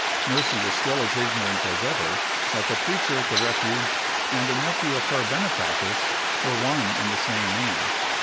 Mercy was still as ignorant as ever that the preacher at the Refuge and the nephew of her benefactress were one and the same man.